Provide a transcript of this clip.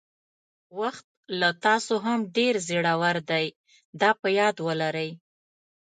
وخت له تاسو هم ډېر زړور دی دا په یاد ولرئ.